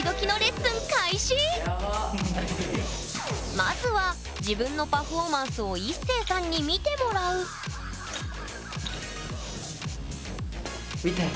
まずは自分のパフォーマンスをＩＳＳＥＩさんに見てもらう！みたいな。